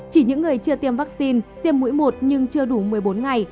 chỉ những người chưa tiêm vaccine tiêm mũi một nhưng chưa đủ một mươi bốn ngày